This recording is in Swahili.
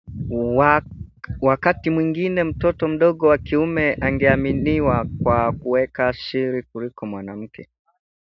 Wakati mwingine mtoto mdogo wa kiume angeaminiwa kwa kuweka siri kuliko mwanamke